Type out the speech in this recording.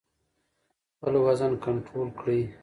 خپل وزن کنټرول کړئ.